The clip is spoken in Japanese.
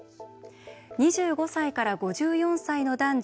２５歳から５４歳の男女